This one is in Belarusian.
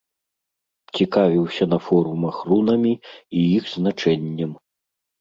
Цікавіўся на форумах рунамі і іх значэннем.